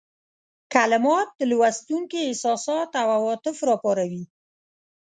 کلمات د لوستونکي احساسات او عواطف را وپاروي.